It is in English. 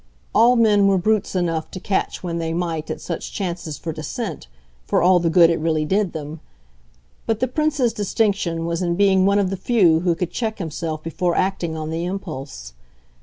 All men were brutes enough to catch when they might at such chances for dissent for all the good it really did them; but the Prince's distinction was in being one of the few who could check himself before acting on the impulse.